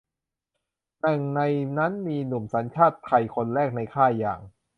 หนึ่งในนั้นมีหนุ่มสัญชาติไทยคนแรกในค่ายอย่าง